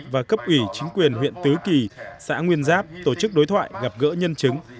và cấp ủy chính quyền huyện tứ kỳ xã nguyên giáp tổ chức đối thoại gặp gỡ nhân chứng